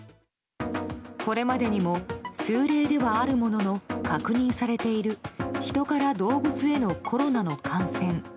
これまでにも数例ではあるものの確認されている人から動物へのコロナの感染。